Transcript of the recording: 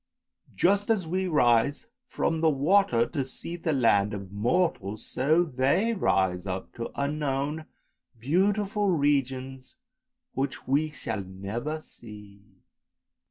Just as we rise from the water to see the land of mortals, so they rise up to unknown beautiful regions which we shall never see."